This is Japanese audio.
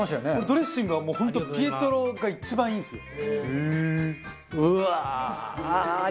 ドレッシングはもう本当ピエトロが一番いいんですよ。